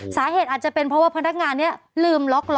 สาเหตุอาจจะเป็นเพราะว่าพนักงานนี้ลืมล็อกล้อ